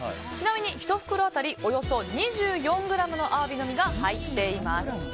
ちなみに１袋当たりおよそ２４ｇのアワビの身が入っています。